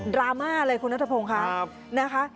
ดราม่าเลยคุณนัทพงศ์ค่ะ